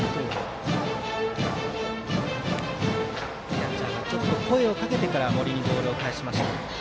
キャッチャーが声をかけてから森にボールを返しました。